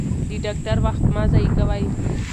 د ډاکټر وخت مه ضایع کوئ.